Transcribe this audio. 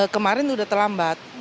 kemarin sudah terlambat